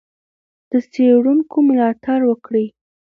د څېړونکو ملاتړ وکړئ.